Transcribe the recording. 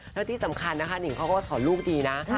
แล้วที่สำคัญนะคะนิ่งเขาก็สอนลูกดีนะ